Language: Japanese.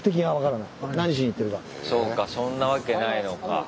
そうかそんなわけないのか。